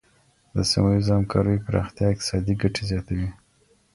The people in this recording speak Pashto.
د سیمه ییزو همکاریو پراختیا اقتصادي ګټي زیاتوي.